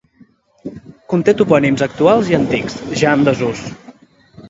Conté topònims actuals i antics, ja en desús.